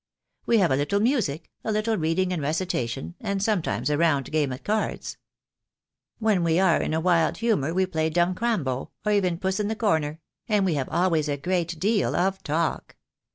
We have a little music, a little reading and recitation, and sometimes a round game at cards. When we are in a wild humour we play dumb crambo, or even puss in the corner; and we have always a great deal of talk.